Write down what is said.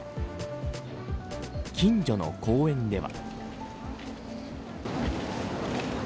近所の公園では。